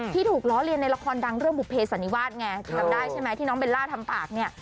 ที่ถูกล้อเลียนในละครดังเรื่องบุภเสันนิวาสไงจำได้ใช่ไหมที่น้องเบลล่าทำปากเนี่ย